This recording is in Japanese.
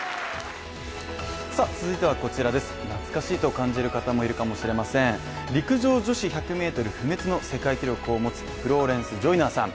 続いては懐かしいと感じる方もいるかもしれません、陸上女子１００ｍ不滅の世界記録を持つフローレンス・ジョイナーさん。